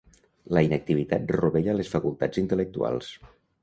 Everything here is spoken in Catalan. La inactivitat rovella les facultats intel·lectuals.